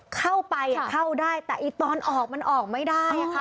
เข้าไปเข้าได้แต่ตอนออกมันออกไม่ได้ค่ะ